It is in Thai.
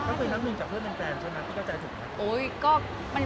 ก็คุยนักหนึ่งจากเพื่อนเป็นแฟนใช่ไหมที่ก็เจอถึง